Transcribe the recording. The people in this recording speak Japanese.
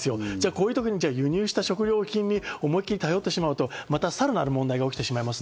こういう時に輸入した食料品に思い切り頼ってしまうとまたさらなる問題が起きてしまいます。